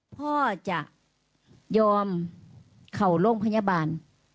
พ่อจะยอมเขาโรงพยาบาล